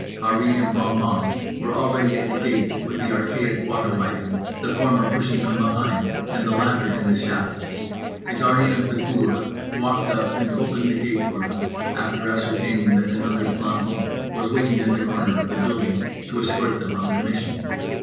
Harree and Pompom were already at the gate with the archaic water wagon, the former pushing from behind and the latter in the shafts. The guardian of the cour walked up and opened the gate for them, after ascertaining that another planton was waiting at the corner of the building to escort them on their mission.